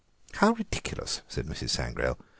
"How ridiculous!" said Mrs. Sangrail.